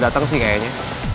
udah dateng sih kayaknya